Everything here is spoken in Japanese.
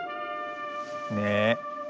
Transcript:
ねえ。